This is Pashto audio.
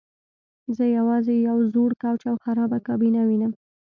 زه یوازې یو زوړ کوچ او خرابه کابینه وینم